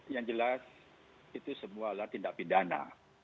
yang jelas itu semua adalah tindak pidana